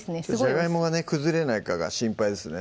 じゃがいもがね崩れないかが心配ですね